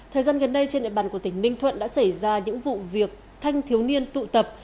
thời gian gần đây trên địa bàn của tỉnh ninh thuận đã xảy ra những vụ việc thanh thiếu niên tụ tập